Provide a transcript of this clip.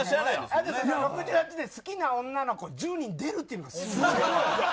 好きな女の子１０人出るっていうのがすごい。